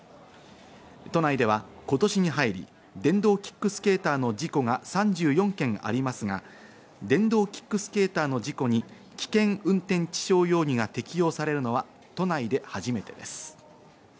都内では今年に入り電動キックスケーターの事故が３４件ありますが、電動キックスケーターの事故に危険運転致傷容疑が適用されるのは都内で初めてです。